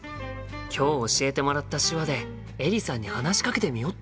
今日教えてもらった手話でエリさんに話しかけてみよっと！